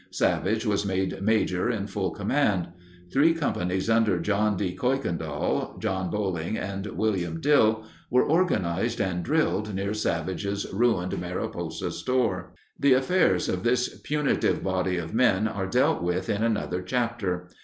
Savage was made major in full command. Three companies, under John J. Kuykendall, John Boling, and William Dill, were organized and drilled near Savage's ruined Mariposa store. The affairs of this punitive body of men are dealt with in another chapter.